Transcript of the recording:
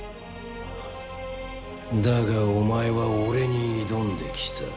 だがお前は俺に挑んできた。